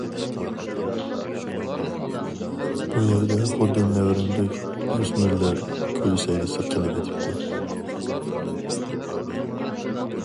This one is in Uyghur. ئۇ يەردە خۇددى نەۋرەمدەك ئۆسمۈرلەر گۈل سەيلىسى قىلىۋېتىپتۇ.